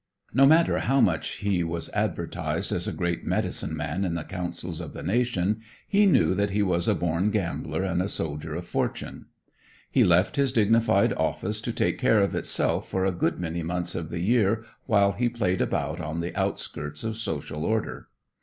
No matter how much he was advertised as a great medicine man in the councils of the nation, he knew that he was a born gambler and a soldier of fortune. He left his dignified office to take care of itself for a good many months of the year while he played about on the outskirts of social order.